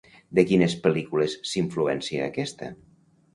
De quines pel·lícules s'influencia aquesta?